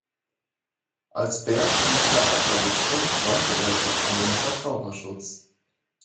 Als Bert nicht mehr weiter wusste, wandte er sich an den Verbraucherschutz.